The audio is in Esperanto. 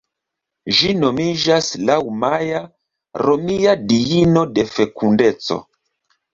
Ĝi nomiĝas laŭ Maja, romia diino de fekundeco.